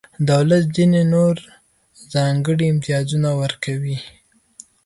دولت ځینې نور ځانګړي امتیازونه ورکوي.